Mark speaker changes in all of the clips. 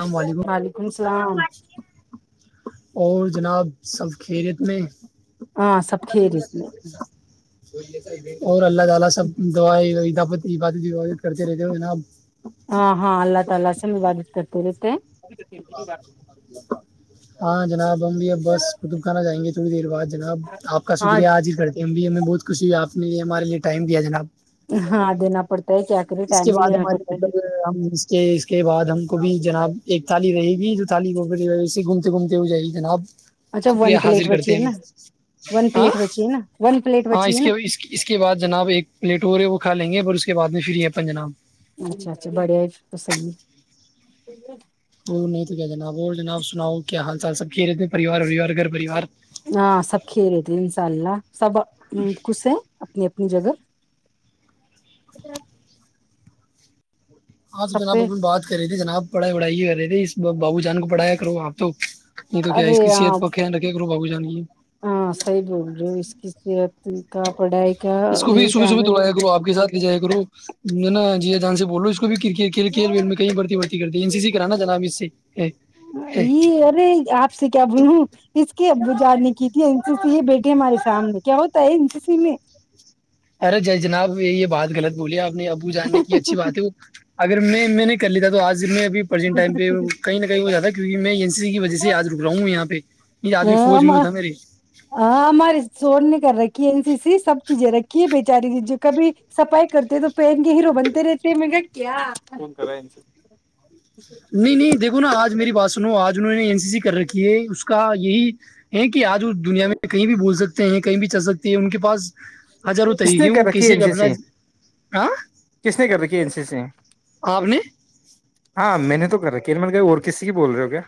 Speaker 1: السلام علیکم
Speaker 2: وعلیکم السلام
Speaker 1: اور جناب سب خیریت میں
Speaker 2: ہاں سب خیریت
Speaker 1: اور اللہ تعالی سب دعائیں عید کرتے رہتے ہو جناب
Speaker 2: ہاں ہاں اللہ تعالی سے عبارت کرتے رہے [unintelligible] [inaudible]
Speaker 1: ہاں جناب بھی بس خطب خان جیںے تھوڑی دیر بعد جناب آپ کا
Speaker 2: ہاں
Speaker 1: شکریہ آج ہی کرتے ہیں ہمیں بہت خوشی ہے آپ نے یہ ہمارے ٹمیا جناب
Speaker 2: ہاں دینا پڑتا ہے کیا کرے
Speaker 1: اس
Speaker 2: ٹائم
Speaker 1: کے
Speaker 2: بھی
Speaker 1: بعد
Speaker 2: دینا
Speaker 1: ہمارے
Speaker 2: پڑتا ہے
Speaker 1: مطلب ہم اس کے اس کے بعد بعد ہم کو بھی جناب ایک تھالی رہے گی جو تھالی وہ سے گھومتے گھومتے ہو جائے گی جناب
Speaker 2: اچھا
Speaker 1: شکریہ
Speaker 2: ون پلیٹ
Speaker 1: حاضر
Speaker 2: بچی
Speaker 1: کرتے
Speaker 2: ہے
Speaker 1: ہیں
Speaker 2: نا ون
Speaker 1: ہاں
Speaker 2: پلیٹ بچی ہے نا ون پلیٹ
Speaker 1: ہاں
Speaker 2: بچی
Speaker 1: اس
Speaker 2: ہے نا
Speaker 1: کے اس کے بعد جناب ایک پلیٹ اور ہے وہ کھا لیں گے اور اس کے بعد میں پھر یہ پنج نام
Speaker 2: اچھا اچھا بڑے ہی تو سی ہے
Speaker 1: وہ نہیں تو کیا جناب اور جناب سناؤ کیا حال چال سب خیریت تھے پریوار وریوار گھر پریوار
Speaker 2: ہاں سب خیریت تھے انشاء اللہ سب خوش ہے اپنی اپنی جگہ
Speaker 1: ہاں تو
Speaker 2: سب
Speaker 1: جناب
Speaker 2: پہ
Speaker 1: اب ہم بات کر رہی تھی جناب پڑائیڑائی ہو رہیے بابو جان کو پڑھایا کرو آپ تو نہیں تو کیا
Speaker 2: ارے
Speaker 1: اس کی
Speaker 2: آ
Speaker 1: صحت کا خیال رکھے کرو بابو جان کی
Speaker 2: ہاں صحیح بول رہے ہو اس کی صت ت کا پڑائی
Speaker 1: اس کو بھی صبح صبح دوڑا گو آپ کے سھ جائے کرو ج نا جی جانسی بول ک کر کل کل
Speaker 2: ہے
Speaker 1: ول میںیں بڑتی بڑتی کرتی ا سی کرانا چلا اب اس سے ہے ہے
Speaker 2: یہ ارے آپ سے کیا بولوں اس کے جاننی کی تھی ا س سی یہ بیٹے ہمارے سامنے کیا ہوتا ہے ا س سی میں
Speaker 1: ارے جی جناب یہ بات غلط بولیے آپ ابو جاننے کی اچھی بات ہے وہ اگر میں میں نے ک لی تھا تو آج ج میں اب پرنٹائم پہ کہیں نہ کہیں ہو جاتا کیکہ میں ا سی سی کی وجہ سے آج رک رہا ہوں یہاں پہ یہ آدمی فوج میں
Speaker 2: ہاں
Speaker 1: ہوتا میرے
Speaker 2: ہاں ہماری سوڑ نہیں کر رہی سی سی سب چیزیں رکھیے بے چاریی کبھی صفائی کرتے ہیں تو پین کے ہیرو بنتے رہتے کیا
Speaker 1: نہیں نہیں دیکو نا آج میری بات سنو آج انہوں نے این سی سی کر رکھی ہے اس کا یہی ہیں کہ آج اس دنیا میں کہیں بھی بول سکتے ہیں کہیں بھی چل سکتی ہیں ان کے پاس ہزاروں
Speaker 2: کس نے
Speaker 1: طریقے ہیں وہ
Speaker 2: کر رکھی ہے
Speaker 1: کسی
Speaker 2: ا
Speaker 1: بھی
Speaker 2: س
Speaker 1: اپنا
Speaker 2: سی
Speaker 1: ہاں
Speaker 2: کس نے کر رکھی ا سی سی
Speaker 1: آپ نے
Speaker 2: ہاں میں نے تو کرا ک مل کہ اور کسسی کی بول رہے ہو کیا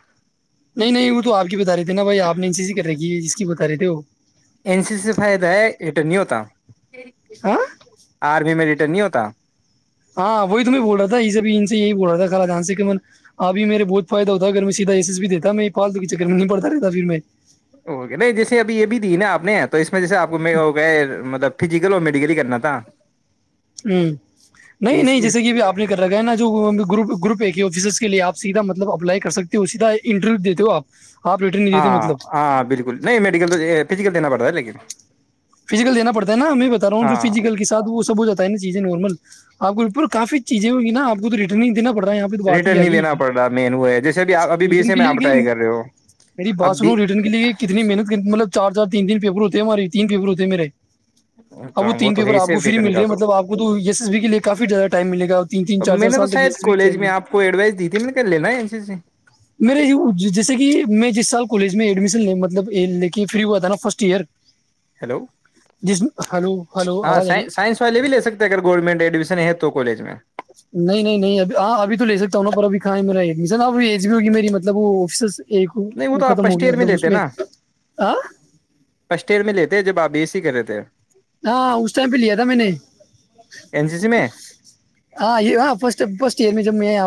Speaker 1: نہیں نہیں وہ تو آپ کی بتا رہے تھے نا بائی آپ نے ان چیزی کر ریھی جس کی بتا رہے تھے وہ
Speaker 2: ایین س سی سے فائدہ ہے یہٹر نہیں ہوتا
Speaker 1: ہاں
Speaker 2: آرمی ملٹی نہیں ہوتا
Speaker 1: ہاں وہی تمہیں ب رہ تھا یہب ان سے یہی بول رہا تھا خرا جان سے کہن ابھی میرے بہت فائد ہوتا ہے اگر میں سیدھا ایس بی دیتا میں یہ پال کے چکر میں نہیں پڑتا رہتا پھر میں
Speaker 2: ہو گیا بھائی جیسے اب یہ بھی دی نا آ نے تو اس میں جیسے آپ کو ہو گئے مطلب فزیکل اور میڈیکل ہی کرنا تھا
Speaker 1: نہیں
Speaker 2: اس
Speaker 1: نہیں جیسے کہ ابھی اپ نے کر رکھا ہے نا جو وہاں پےگروپ گروپ ایک ہی آفیسرس کے لی آپ سیدھا مطلب اپلائی کر سکتے ہو سیدھا اے انٹرویو دیتے ہو آپ آپ ریٹرن نہیں دیتے
Speaker 2: ہاں
Speaker 1: مطلب
Speaker 2: ہاں بالکل نہیں میڈیکل اے فزیکل دینا پڑتا ہے لیکن
Speaker 1: فیزیکل دینا پڑتا ہے نا میں بتا رہا ہوں جو
Speaker 2: ہاں
Speaker 1: فیزیکل کےساتھ وہ سب ہو جاتا ہے نا چیزیں نارمل اپ کو پھر کافی چیزیں ہوئی نا اپ کو تو ریٹن ہی دیکھ نہ پڑ رہا یہاں پہ تو بات ہی
Speaker 2: ریٹرن
Speaker 1: آ
Speaker 2: نہیں
Speaker 1: گی
Speaker 2: دینا پڑ رہا مین وہ ہے جیسے ابھی آپ ابھی بی
Speaker 1: ریٹرن
Speaker 2: سے
Speaker 1: کے
Speaker 2: میں
Speaker 1: لیے
Speaker 2: آپ
Speaker 1: کہ
Speaker 2: ٹرائی کر رہے ہو
Speaker 1: میری
Speaker 2: اب
Speaker 1: بات
Speaker 2: بھی
Speaker 1: سنو ریٹرن کے لیے کتنی محنت کرنی مطلب چار چار تین تین پیپر ہوتے ہماری تین پیپر ہو تے میرے اب
Speaker 2: اچھا
Speaker 1: وہ تین
Speaker 2: تو
Speaker 1: پیپر
Speaker 2: ہے
Speaker 1: آپ کو
Speaker 2: سیف
Speaker 1: فری
Speaker 2: ریٹرن
Speaker 1: مل
Speaker 2: کا
Speaker 1: رہے مطلب آپ کو تو ایس ایس بی کے لیے کافی زیادہ ٹائم ملے گا تین تین چار
Speaker 2: میں
Speaker 1: چار
Speaker 2: نے تو
Speaker 1: سال تک
Speaker 2: شاید
Speaker 1: ایس ایس بی
Speaker 2: کالج
Speaker 1: چلیں
Speaker 2: میں
Speaker 1: گی
Speaker 2: آپ کو ایڈوائس دی تھی میں نے کہ لینا ہے این سی سی
Speaker 1: میرے جیسے کہ میں جس سال کالج میں ایڈمیشن لے مطلب لے کے فری ہوا تھا نا فرسٹ ایئر
Speaker 2: ہیلو
Speaker 1: جس ہلو ہلو
Speaker 2: ہاں
Speaker 1: آواز آ رہی ہے
Speaker 2: سائنس والے بھی لے سکتے اگر گورنمنٹ ایڈمیشن ہے تو تو کالج میں
Speaker 1: نہیں نہیں نہیں ابھی ہاں ابھی تو لے سکتا ہوں پر اب کہاں ہے میرا ایڈمیشن اب ایج بھی ہوگی میری مطلب وہ آفسس
Speaker 2: نہیں وہ تو آپ فسٹ ایئر میں لیتے نا
Speaker 1: ہاں
Speaker 2: فسٹ ایئر میں لیتے جب آ بیس کہ رہے تھے
Speaker 1: ہاں اس ٹائم پہ لیا تھا میں نے
Speaker 2: این سی سی میں
Speaker 1: ہاں ہاں فسٹ فسٹ ایئر میں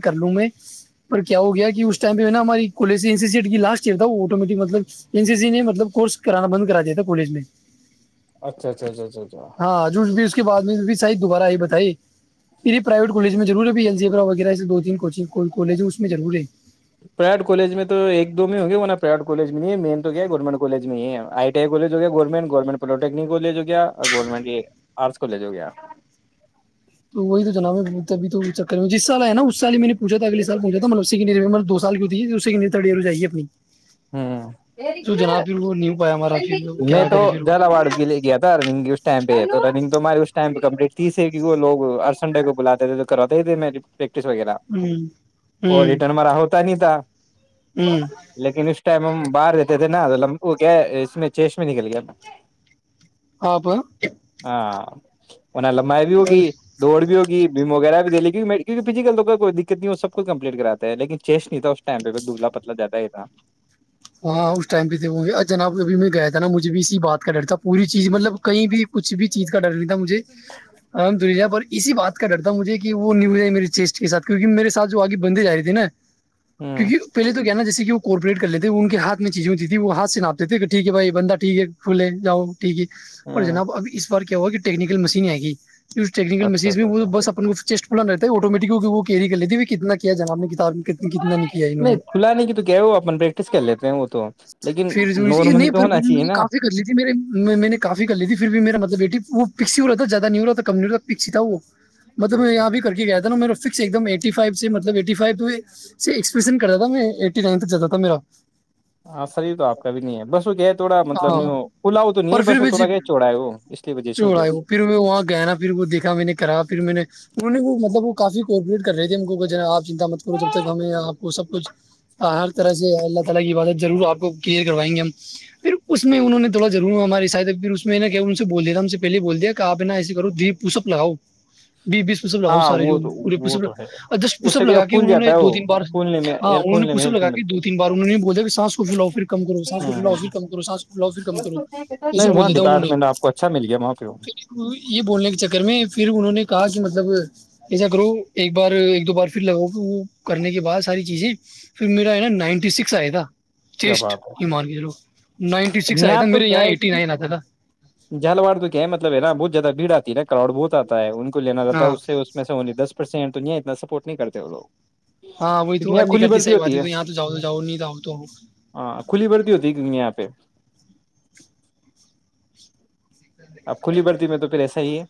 Speaker 1: [unintelligible] کر لوں میں پر کیا ہو گیا کہ اس ٹائم پہ نا ہماری کولی سی سیٹ کی لاش کیا تھا وہ اٹومیٹک مطلب این سی سی کورس کرانا بند کرا دیا تھا کولج میں
Speaker 2: اچھا اچھا اچھا اچھا اچھا
Speaker 1: ہاں جو بھی اس کے بعد میں بھی شاید دوبارہ ائی بتائی یہی پرائیوٹ کولج اس میں ضرور ہے بھی وغیرہ دو تین کوچنگ کالج اس میں ضرور ہے
Speaker 2: پریڈ کالج میں تو ایک دو میں ہوں گے ورنہ پیڈ کالج میں نہیں ہے مین تو کیا ہے گورنمنٹ کالج میں ہی‌ ہے ائی ٹی ائی کولج ہو گیا گورنمنٹ گورنمنٹ پلو ٹیکنیک ہولیہ جو کہ گیا گورمٹ یہ ارٹس کالج ہو گیا
Speaker 1: تو وہی تو جناب ابھی تو چکر میں جس طرح ہے نا اس سال میں نے پوچھا تھا اگلے سال پہلے تو ملوسی کی دو سال کی ہوتی تھی اپنی تو جناب پھر وہ نہیں ہو پایا ہمارا پھر
Speaker 2: میں
Speaker 1: کیا
Speaker 2: تو
Speaker 1: کرے پھر وہ
Speaker 2: زیادہ ایوارڈ بھی لے گیا تھا ارننگ کی اس ٹائم پہ ہے تو رننگ تو ہمارے اس ٹائم پہ کمپلیٹ تھی ہے اس شہر کے کو یی لوگ ہر سنڈے کو بلاتے تھے تو کرواتے ہی تھے میچ پرک ٹس وغیرہ
Speaker 1: ہوں
Speaker 2: اور
Speaker 1: ہوں
Speaker 2: ریٹرن ہمارہ ہوتا نہیں تھا
Speaker 1: ہوں
Speaker 2: لیکن اس اس ٹائم ہم باہر رہتے تھے نا لم کیا اس میں چیش میں نکل گیا ہم
Speaker 1: آپ
Speaker 2: انیں لمبائی بھی ہوگی دوڑ بھی ہوگی بھیم وغیرہ بھی دے لے کیک کیونکہ فزیکل تو کوئی دقت نہیں سب کو کمپلیٹ کراتے ہیں لیکن چیسٹ نہیں تھا اسٹائم پہ دبلا پتلا جیادہ ہی تھا
Speaker 1: ہاں اس ٹائم پہ تھے وہ جناب ابھی میں گیا تھا نا مجھے بھی اسی بات کا ڈر تھا پوری چیز مطلب کہیں بھی کچھ بھی چیز کا ڈر نہیں تھا مجھے پر اسی بات کا ڈر تھا مجھے کہ وہ نہیں ہو میرے چیسٹ کے ساتھ کیہ میرے ساتھ جو آگے بندے جا رہے تھے نا
Speaker 2: ہوں
Speaker 1: کیونکہ پہلے تو کیا ہینا جس کہ وہ کارپوریٹ کر لے ان کے ہاتھ میں چیزیں ہوتی تھی وہ ہات سے ناپتے تھے کہ ٹھ ہے بھائی بندہ ٹھیک ہے کھے جاؤ ٹھیک ہے پر
Speaker 2: ہوں
Speaker 1: جناب اب اس بار کہ وہ کہ ٹیکنیکل مشین ہےی ٹیکنیکل
Speaker 2: اچھا
Speaker 1: مشینز میں
Speaker 2: اچھا
Speaker 1: وہ
Speaker 2: اچھا
Speaker 1: بس اپ کو چیسٹ رہتا ہے آٹومیٹک وہ کیری کر لیتیت کیا جناب نے ک
Speaker 2: نہیں کھلا نہیں کی تو کہ اپیکٹ
Speaker 1: پھر
Speaker 2: نارملی
Speaker 1: نہیں
Speaker 2: تو
Speaker 1: پھرھر
Speaker 2: ہونا
Speaker 1: میں
Speaker 2: چاہیے
Speaker 1: نے
Speaker 2: نا
Speaker 1: کافی کر لی تھی میں نے کافی کر لی تھی پھر بھی میرا مطلب بیٹی وہ پکسی ہو رہا تھا زیادہ نہیں ہو رہا تھا کم نہیں رہتا پکسی تھا وہ مطلب میں
Speaker 2: اچھا
Speaker 1: یہاں بھی
Speaker 2: اچھا
Speaker 1: کر کے گیا تھا نا میر فکس ایک دم ای ف سے مطلب ای فو سےپرین کرتا تھا میں ای نائن تک جاتا تھا میرا
Speaker 2: ہاں فری تو آپ کا بھی نہیں ہے بس وہ گیا تھوڑا مطلب
Speaker 1: ہاں
Speaker 2: نہیں پلا وہ تو نہیں ہے
Speaker 1: پر
Speaker 2: بس
Speaker 1: پھر
Speaker 2: وہ
Speaker 1: بھی
Speaker 2: تھوڑا گیا چوڑا ہے وہ اس لیے وجہ سے ہو
Speaker 1: چھوڑا
Speaker 2: گیا
Speaker 1: ہے
Speaker 2: وہ
Speaker 1: پھر میں وہاں گیا ان مطلب وہ کافی کپریٹ کر رہے تھے ان آپ چنتا مت کرو جب تک ہمیں آ کو سب کچھ ہر طرح سے الگ کی باتت ضر آپ کو کئ کروائیں گے ہم پھر اس میں انہ نے تھوڑا ضرور ہماراری ساید پھر اس ان سے بول دیا تھا ہم سے پہلے بول دیا کہپ نا ایے کرو پپ لگاؤ بی بیس پپ لگاؤ
Speaker 2: ہاں
Speaker 1: سارے
Speaker 2: وہ تو
Speaker 1: جوے
Speaker 2: وہ تو ہے
Speaker 1: جس
Speaker 2: اس
Speaker 1: پسپ
Speaker 2: سے کیا
Speaker 1: لگا کے
Speaker 2: پھول
Speaker 1: انہوں
Speaker 2: جاتا
Speaker 1: نے
Speaker 2: ہے
Speaker 1: دو
Speaker 2: وہ
Speaker 1: تین بار
Speaker 2: پھولنے میں
Speaker 1: ہاں
Speaker 2: ایئر
Speaker 1: انہوں نے
Speaker 2: پھولنے میں
Speaker 1: پسپ
Speaker 2: ہیلپ
Speaker 1: لگا
Speaker 2: میں
Speaker 1: کے
Speaker 2: ملتے
Speaker 1: دو تین بار
Speaker 2: ہیں
Speaker 1: ہوں نے بولا کہ سان کو ف الؤفر کم کرو سانس کو ف الؤفر کم کرو سانس کو لو پھر کم کرو ایسے
Speaker 2: نہیں وہاں
Speaker 1: بولے تھا انہوں نے
Speaker 2: ڈپارٹمنٹ آپ کو اچھا مل گیا وہاں پہ
Speaker 1: پھر یہ بولنے کے چکر میں پھر انہوں نے کہا کہ مطلب ایسا کرو ایک بار ایک دو بار پھر لگاؤ وہ کرنے کے بعد ساری چیزیں پھر میرا ہے نا نائنٹی سکس مسا آدا
Speaker 2: کیا بات
Speaker 1: نائنٹی
Speaker 2: ہے
Speaker 1: سکس آیا
Speaker 2: نہاں
Speaker 1: تھا
Speaker 2: تو
Speaker 1: میرے
Speaker 2: کیا
Speaker 1: یہاں
Speaker 2: ہے
Speaker 1: ایٹی نائن آتا تھا
Speaker 2: جلواڑ تو کیا ہے مطلب ہے نا بت جیاد بھیڑ آتی نا کرؤڈ بہتتا ہے ان کی لینا رہتا ہے
Speaker 1: ہاں
Speaker 2: اس سے اس میں سے انی دس پرسینٹ دنیا اتنا سپورٹ نہیں کرتے وہ لگ
Speaker 1: ہاں وہی تو ا نہیں کرتی سحی بات ہے تو یہاں تو جؤ تو جؤ نہیں آؤ تو آ
Speaker 2: ہاں کھلی بڑتی کہ ایپ [unintelligible] اب کھلی بڑتی میں تو پھر ایسا ہی ہے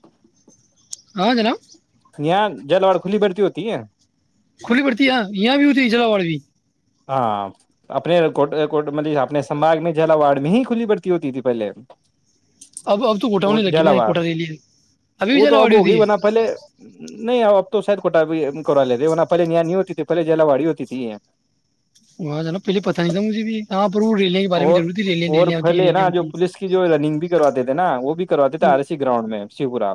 Speaker 1: ہاں جناب
Speaker 2: یہاں جل واڑ کھلی بڑتی ہوتی ہے
Speaker 1: کھلی پڑتی ہے یہاں بھی ہوتی ہے جلاو بھی
Speaker 2: ہاں اپنے کو کو مطلب اپنے سباگ میں جلا واڈ میں ہی کھلی بڑتی ہوتی تھی پہلے
Speaker 1: اب اب تو کوٹا
Speaker 2: وہ
Speaker 1: ہونے لگی نا یہ
Speaker 2: جلاوڑ
Speaker 1: کوٹا ریلی ہے ابھی بھی
Speaker 2: وہ تو اب
Speaker 1: جلاواڑی
Speaker 2: ہوگئی
Speaker 1: ہوتی ہے
Speaker 2: بن پہلے نہیں ا تو ساید کوٹا کرا ل ہے دونا پل نانی نہیں ہوتی تھی پہے جیلا وای ہوتی تھی
Speaker 1: وہاں جانا پہلے پتا نہیں تھا مجھ بھی پر وہ ریلیاں کے بارے میں
Speaker 2: اور
Speaker 1: ضرور تھی ریلیاں
Speaker 2: اور
Speaker 1: ریلیاں ہوتی ہیں
Speaker 2: پھلے
Speaker 1: ریلیاں
Speaker 2: نا جو
Speaker 1: ہوتی
Speaker 2: پولیس کی جو رننگ بھی کرواتے تھے نا وہ بھی کرواتے تھے
Speaker 1: ہیں
Speaker 2: آر سی گراؤنڈ میں شیو پورا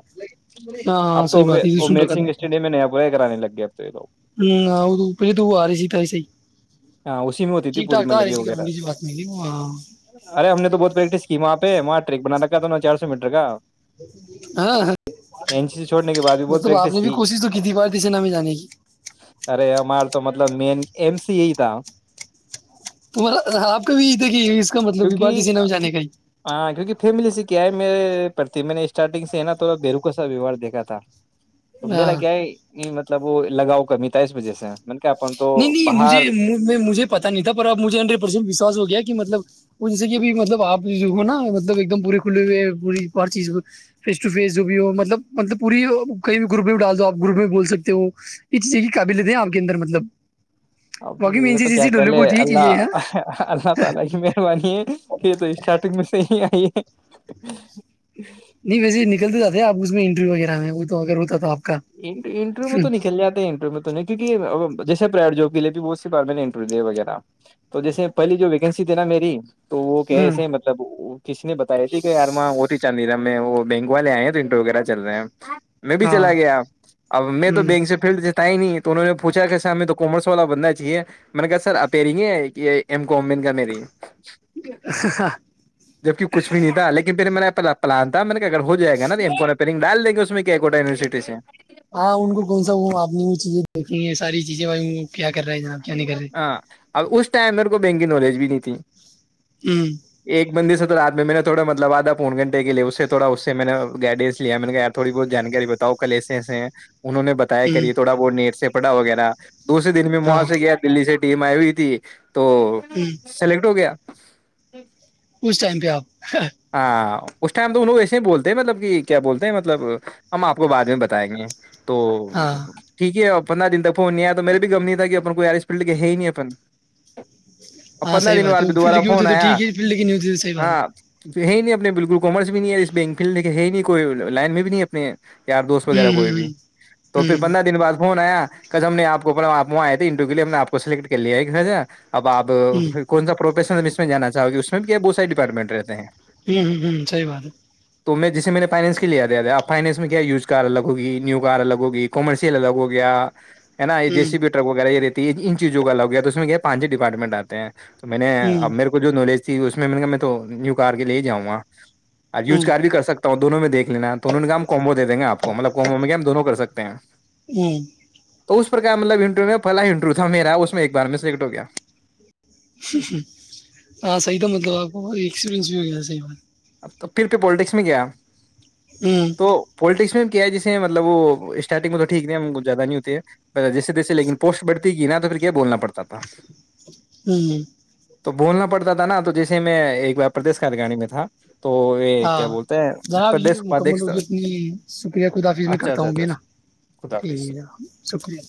Speaker 1: ہاں ہاں
Speaker 2: اب تو
Speaker 1: صحیح بات ہے سن
Speaker 2: امیر
Speaker 1: رکھا
Speaker 2: سگھ
Speaker 1: تھا
Speaker 2: اسٹیڈیم میں ن پورے کرانے لگ گئے اب تو یہ لوگ
Speaker 1: ہ وہ پہلے تو وہ آ رہی سی تھا صحیح
Speaker 2: ہاں اسی میں ہوتی تھی
Speaker 1: ٹھیک
Speaker 2: پوری
Speaker 1: ٹھاک تھا آ
Speaker 2: مطلب
Speaker 1: رہی
Speaker 2: یہ
Speaker 1: سی
Speaker 2: وغیرہ
Speaker 1: کرمولی سے بات میری ہاں
Speaker 2: ارے ہم نے تو بہت پریکٹس کی وہاں پہ وہاں ٹریک بناانا ن چار سو مٹر کا
Speaker 1: ہاں
Speaker 2: این سی سی چھوڑنے کے بعد بھی بہت
Speaker 1: مطلب آپ
Speaker 2: پریکٹس
Speaker 1: نے بھی کوشش تو کی تھی بارتی سے نام میں جانے کی
Speaker 2: ارے ہمار تو مطلب مین ایم سی ای تا
Speaker 1: آپ کا بھی دیک
Speaker 2: کیونکہ ہاں کیونکہ فیملی سے کیا ہے میرے پرتی میں نے اسٹارٹنگ سے ہے نا تھوڑا بیروکو سا ویوار دیکھا تھا تم نے
Speaker 1: ہاں
Speaker 2: کیا ہے مطلب وہ لگاؤ کمی تھا اس وجہ سے نے کہا اپن تو
Speaker 1: نہیں نہیں
Speaker 2: باہر
Speaker 1: مجھے مجھے پتاہ نہیں تھا پر اب مجھے ہڈریڈ پرسینٹ وشواس ہو گیا کہ مطلب وہ جیسے کہب مطلب آپ جو ہو نا مطب ایک دم پورے کھلے ہوئے ہیں پور ہر چیز فیس ٹ فیس جو بھی ہو مطلب مطلب پوری کہیں بھی گروپ میں بھی ڈال دو آپ گروپ میں بھی بول سکتے ہو یہ چیز کی قابلت ہے آپ کے اندر مطلب باقی مین سی
Speaker 2: تو کیا
Speaker 1: چیزیں ڈولے
Speaker 2: پہلے
Speaker 1: کو ہوتی ہے چیزیں
Speaker 2: اللہ
Speaker 1: یہاں
Speaker 2: اللہ تو کیا کہہ لے اللہ اللہ تعالی کی مہربانی ہے کہ یہ تو اس [inaudible]
Speaker 1: نہیں ویسے نکل د آ اس میں انٹرویو وغیرہ ہے وہ تو اگر ہوتا تو آپ کا
Speaker 2: انٹرویو میں تو نہیںکل جاتے ہے انٹرویو میں تو نہیں کیونک یہ ا جیسے پرائیویٹ جب کے لیے بھی بہت سی بار میں نے انٹرویو دیے وغیرہ تو جیس پہلی جو ویکینسیھی نا میری تو وہ
Speaker 1: ہوں
Speaker 2: کیسے مطلب کسی نے بتاائی تھی کہ ارماں وہ تھی چاندی رام میں وہ بینک والے آئے ہیں تو انٹر وغیرہ چل رہے ہیں میں بھی
Speaker 1: ہاں
Speaker 2: چلا گیا اب میں تو
Speaker 1: ہوں
Speaker 2: بینک سے فیلڈ ت ہی نہیں تو انہوں نے پوچھا کہ سا ہم میں تو کومرس والا بندہ چاہیے میں نے کہا سر آ پییر گ یہ ایم کومین کا مری جبک کچھ بھی نہیں تھا لیکن پھر میں نے پ پلان تھا میں اگر ہو جائے گا رینگ ڈالیں گے اس میں کوا یوورسٹی سے
Speaker 1: ہاں ان کو کون سا وہ آپ نے وہ چیزیں دیکھی ہیں ساری چیزیں ب کیا کر رہا ہے جناب کیا نہیں کر رہے
Speaker 2: ہاں اب اس ٹائم میںیرے کو بینکنگ نالج بھی نہیں تھی
Speaker 1: ہوں
Speaker 2: ایک بندی س توات میں نے تھوا مطلب آد تھا پون گھنٹ کے لیے اس سے تھوڑا اس سے میں نے گائیڈنس لیا میں نے یاروڑی بہت جانکاری بتاؤ کل ایسےسے ہیں انہوں نے بتایا
Speaker 1: ہوں
Speaker 2: کری یہ تھوڑا بہت نیٹ سے کپڑا وغیرہ دوسرے دن میں مو
Speaker 1: ہاں
Speaker 2: دلی سے ٹیم آئیئی تھی تو
Speaker 1: ہوں
Speaker 2: سلیکٹ ہو گیا جی
Speaker 1: اس ٹائم پہ آپ
Speaker 2: ہاں اس ٹائم تو ان لوگ ایسے ہی بولتے ہیں مطلب کہ کیا بولتے ہیں مطلب ہم آپ کو بع میں بتائیں گے تو
Speaker 1: ہاں
Speaker 2: ٹھیک ہے اب پندرہ دنک فون نہیں آیا تو میر بھی گم نہیں تھا کہ اپ کوئی ایسپلٹ کے ہے ہی نہیں اپن اور
Speaker 1: ہاں
Speaker 2: پندرہ
Speaker 1: صح
Speaker 2: دن
Speaker 1: بات
Speaker 2: بعد
Speaker 1: ہے وہ
Speaker 2: بھی دوبارہ
Speaker 1: فلڈ کی
Speaker 2: فون
Speaker 1: ہوتیتے تو
Speaker 2: آیا
Speaker 1: ٹھیک ہے فلڈ کی نہیں ہوتی تو صحی بات ہے
Speaker 2: ہاں ہے ہی نہیں اپنے بالکل کامرس بھی نہیں ہے اس بینک فیلڈ ل ہے ہی نہیں کوئی لائن میں بھی نہیں اپنے یار دوست وغیرہ کوئی بھی
Speaker 1: ہوں
Speaker 2: تو پھر
Speaker 1: ہوں
Speaker 2: پندرہ دن بعد فون آیا ک ہم نے آپ کو پڑ آپ وہاں آئے تھے انٹرو کےے ہم آپ کو سلیکٹ کر لیا ہے ایک گھرا اب آپ
Speaker 1: ہوں
Speaker 2: کون سا پروفیشن اس میں جانا چاہو گے کیا بہ ساری ڈپارٹمٹ رہ ہیں [inaudible]
Speaker 1: ہوں ہ ہوں سحی بات ہے
Speaker 2: تو میں جسے میں نے فائنس لیے آیا تھا آپ فائنس میں کیا یوج کار الگی نیو ک الگ ہوگی کومرشیل الگ ہو گیا ا نا یہ
Speaker 1: ہے
Speaker 2: ج س
Speaker 1: ہوں
Speaker 2: بیٹر ہوا یہی ان چیزوں کا الاگ گیا تو اس میں کیا پانچ ہی ڈپارٹمنٹ آتے ہیں تو میں نے اب
Speaker 1: ہوں
Speaker 2: میرے کو جو نالج جی اس میں کرار کے لے جاؤں گا اور یوز کار بھی کر سکتا ہوں تو دونوں دیکھ ینا دونوں نے کام کومبو د گے آپ کو مطب کومبو میں کیا ہم دونوں کر سکتے ہیں
Speaker 1: ہوں
Speaker 2: تو اس پرک مطلب انٹروو میں پہلا انٹرویو تھا میرا اس میں ایک بار میں سلیکٹ ہو گیا
Speaker 1: ہاں صحیح تو مطلب آپ کو ایکسپیرنس بھی ہو گیا صحیحات
Speaker 2: اب تو پھر پہ پالیٹکس میں گیا تو
Speaker 1: ہوں
Speaker 2: پولٹکس میں کیا جسے مطلب وہ اسٹارٹنگ میں تو ٹھیک نہیں ہم ک زیادہ نہیں ہوتے ہے جیسے جیسے لیکن پوسٹ بڑتی گ نا تو پھر کیا بولنا پڑتا تھا
Speaker 1: ہوں ہ
Speaker 2: تو بھولنا پڑتا تھا نا تو جیسے میں ایک بار پردیش کار گاڑی میں تھا تو یہ
Speaker 1: ہاں
Speaker 2: کیا بولتے ہیں
Speaker 1: جناب یہ
Speaker 2: پردیش
Speaker 1: مکمل
Speaker 2: اپادھیش
Speaker 1: ہوگی اپنی شکریہ خدافظ میں
Speaker 2: اچھا
Speaker 1: کرتا
Speaker 2: اچھا
Speaker 1: ہوں گ
Speaker 2: اچھا
Speaker 1: نا
Speaker 2: خدا
Speaker 1: ٹھیک
Speaker 2: حافظ
Speaker 1: ہے جناب شکریہ